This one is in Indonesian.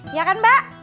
iya kan mbak